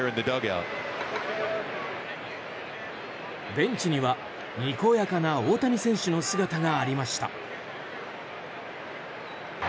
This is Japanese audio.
ベンチにはにこやかな大谷選手の姿がありました。